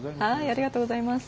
ありがとうございます。